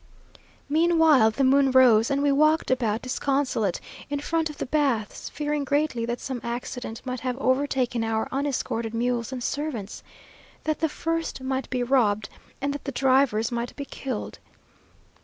Meanwhile, the moon rose, and we walked about disconsolate, in front of the baths fearing greatly that some accident might have overtaken our unescorted mules and servants; that the first might be robbed and that the drivers might be killed.